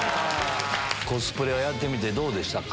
コスプレをやってみてどうでしたか？